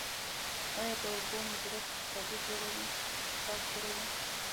آیا د اوبو مدیریت اقتصاد جوړوي؟